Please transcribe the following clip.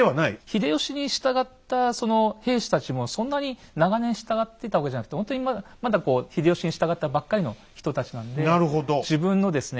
秀吉に従ったその兵士たちもそんなに長年従ってたわけじゃなくてほんとにまだこう秀吉に従ったばっかりの人たちなんで自分のですね